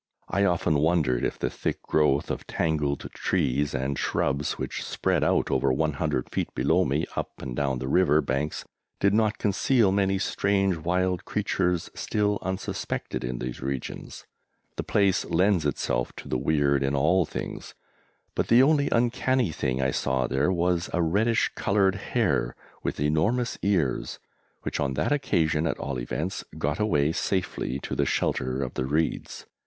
I often wondered if the thick growth of tangled trees and shrubs which spread out over 100 feet below me up and down the river banks did not conceal many strange wild creatures, still unsuspected in these regions; the place lends itself to the weird in all things, but the only uncanny thing I saw there was a reddish coloured hare with enormous ears, which, on that occasion at all events, got away safely to the shelter of the reeds.